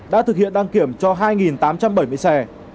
đã thực hiện đăng kiểm cho hai tám trăm bảy mươi xe